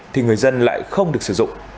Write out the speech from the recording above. thì người dân lại không được sử dụng